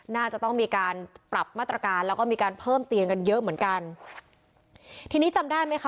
น่าจะต้องมีการปรับมาตรการแล้วก็มีการเพิ่มเตียงกันเยอะเหมือนกันทีนี้จำได้ไหมคะ